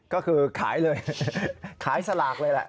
ก็คือขายเลยขายสลากเลยแหละ